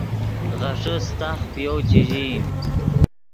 غیݰے ستاخ پے یَؤ چے ژئیم